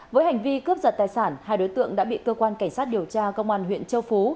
với hành vi cướp giật tài sản hai đối tượng đã bị cơ quan cảnh sát điều tra công an huyện châu phú